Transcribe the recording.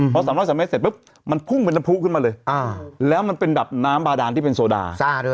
พอ๓๐๓เมตรเสร็จปุ๊บมันพุ่งเป็นน้ำผู้ขึ้นมาเลยแล้วมันเป็นแบบน้ำบาดานที่เป็นโซดา